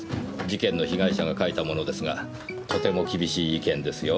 事件の被害者が書いたものですがとても厳しい意見ですよ。